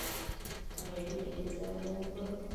ایا ډیر انتظار مو وکړ؟